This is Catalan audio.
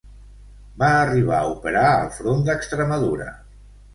Va arribar a operar al front d'Extremadura.